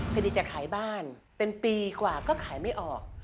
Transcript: พอดีจะขายบ้านเป็นปีกว่าก็ขายไม่ออก